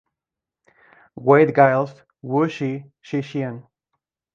Wade-Giles: Wu-she Shih-chien.